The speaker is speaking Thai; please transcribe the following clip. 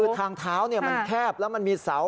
ทางท้าวมันแคบมีเสา